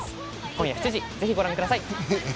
今夜７時、ぜひご覧ください。